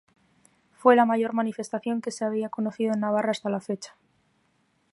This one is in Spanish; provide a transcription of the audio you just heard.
Fue la mayor manifestación que se había conocido en Navarra hasta la fecha.